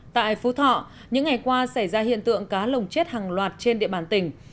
tại phú thọ những ngày qua xảy ra hiện tượng cá lồng chết hàng loạt trên địa bàn tỉnh